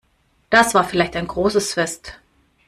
Das war vielleicht ein großes Fest.